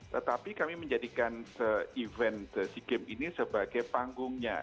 tetapi kami menjadikan event sea games ini sebagai panggungnya